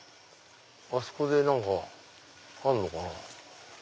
あそこで何かあるのかな。